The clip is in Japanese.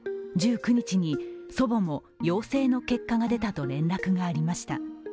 １９日に祖母も陽性の結果が出たと連絡がありました。